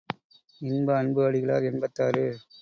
இன்ப அன்பு அடிகளார் எண்பத்தாறு.